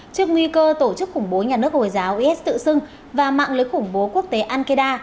trước nguy cơ tổ chức khủng bố nhà nước hồi giáo is tự xưng và mạng lưới khủng bố quốc tế al qaeda